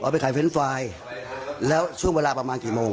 ไปขายเฟรนด์ไฟล์แล้วช่วงเวลาประมาณกี่โมง